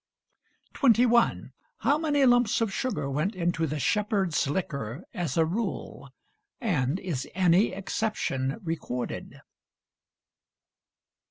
21. How many lumps of sugar went into the Shepherd's liquor as a rule? and is any exception recorded?